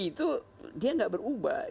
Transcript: nanti juga tidak ada soal kan